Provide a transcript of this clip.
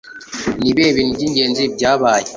Ni ibihe bintu by'ingenzi byabaye